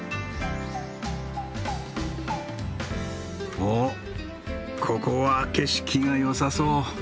おっここは景色がよさそう。